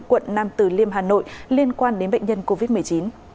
quận nam từ liêm hà nội liên quan đến bệnh nhân covid một mươi chín